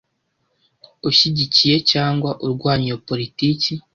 Ushyigikiye cyangwa urwanya iyo politiki?